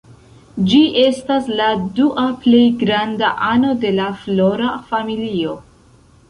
Ĝi estas la dua plej granda ano de la Flora familio.